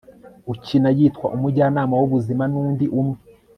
ukina yitwa umujyanama w'ubuzima n'undi umwe